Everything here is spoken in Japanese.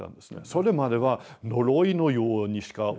それまでは呪いのようにしか思えなかった。